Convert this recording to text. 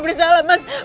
mas aku gak mau